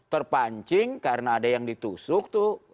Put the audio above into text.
terpancing karena ada yang ditusuk tuh